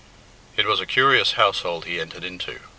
It was a curious household he entered into.